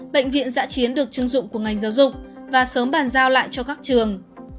bệnh viện dạ chiến được chứng dụng của ngành giáo dục và sớm bàn giao lại cho các trường